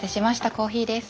コーヒーです。